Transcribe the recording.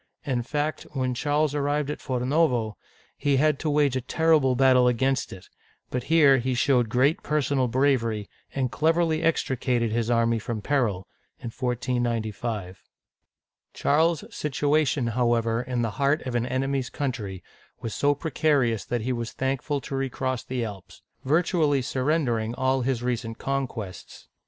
In fact, when Charles arrived at Forno'vo, he had to wage a terrible battle against it; but here he showed great personal bravery, and cleverly extricated his army from peril (149S). Charles's situation, however, in the heart of an enemy's country, was so precarious that he was thankful to re cross the Alps, virtually surrendering all his recent con quests.